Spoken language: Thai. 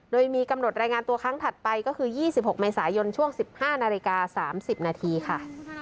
โดยมีกำหนดรายงานตัวครั้งถัดไปก็คือ๒๖เมษายนช่วง๑๕นาฬิกา๓๐นาทีค่ะ